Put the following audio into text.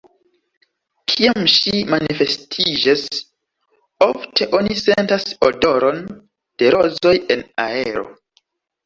Kiam ŝi manifestiĝas, ofte oni sentas odoron de rozoj en aero.